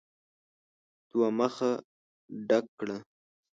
دوه مخه ډک کړه !